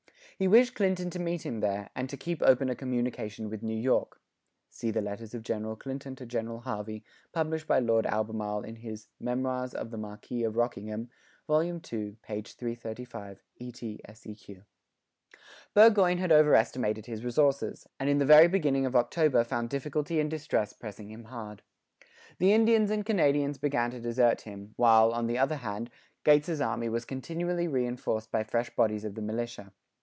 He wished Clinton to meet him there, and to keep open a communication with New York. [See the letters of General Clinton to General Harvey, published by Lord Albemarle in his "Memoirs of the Marquis of Rockingham," vol. ii. p. 335, ET SEQ.] Burgoyne had over estimated his resources, and in the very beginning of October found difficulty and distress pressing him hard. The Indians and Canadians began to desert him; while, on the other hand, Gates's army was continually reinforced by fresh bodies of the militia.